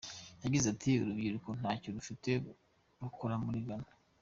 Yagize ati "Urubyiruko ntacyo rufite rukora muri Ghana.